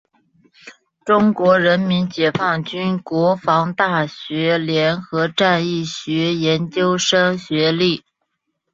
中国人民解放军国防大学联合战役学研究生学历。